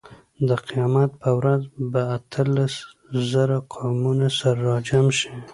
د قیامت په ورځ به اتلس زره قومونه سره راجمع شي.